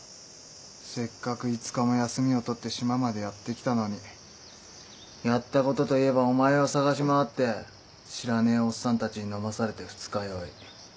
せっかく５日も休みを取って島までやって来たのにやったことといえばお前を捜し回って知らねえオッサンたちに飲まされて二日酔い。